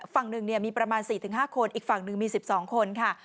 ฝั่งหนึ่งมีประมาณ๔๕คนอีกฝั่งหนึ่งมี๑๒คนค่ะ